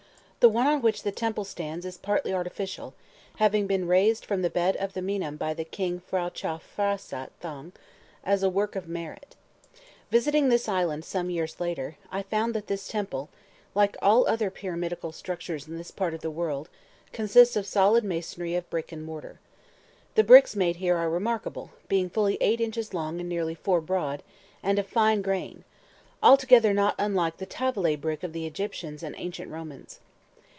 The one on which the temple stands is partly artificial, having been raised from the bed of the Meinam by the king P'hra Chow Phra sat thong, as a work of "merit." Visiting this island some years later, I found that this temple, like all other pyramidal structures in this part of the world, consists of solid masonry of brick and mortar. The bricks made here are remarkable, being fully eight inches long and nearly four broad, and of fine grain, altogether not unlike the "tavellae" brick of the Egyptians and ancient Romans.